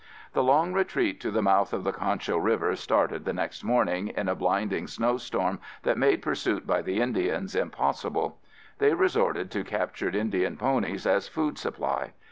The long retreat to the mouth of the Concho River started the next morning in a blinding snow storm that made pursuit by the Indians impossible. They resorted to captured Indian ponies as food supply.